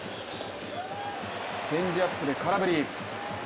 チェンジアップで空振り。